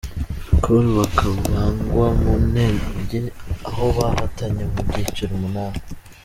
Cole bakabagwa mu ntege aho bahatanye mu byiciro umunani.